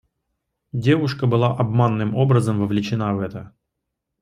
Девушка была обманным образом вовлечена в это...